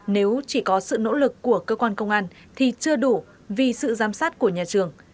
nếu chỉ có sự nỗ lực của cơ quan công an thì chưa đủ vì sự giám sát của nhà trường